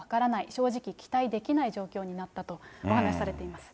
正直期待できない状況になったとお話しされています。